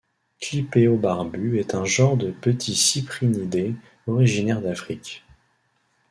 Clypeobarbus est un genre de petits cyprinidés originaire d'Afrique.